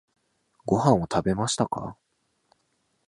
ご飯を食べましたか？